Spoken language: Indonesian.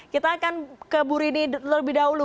kita akan ke bu rini lebih dahulu